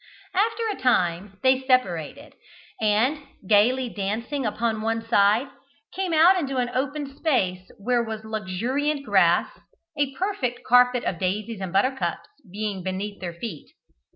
After a time they separated, and, gaily dancing upon one side, came out into an open space where was luxuriant grass, a perfect carpet of daisies and buttercups being beneath their feet.